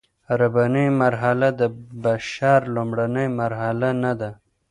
رباني مرحله د بشر لومړنۍ مرحله نه ده.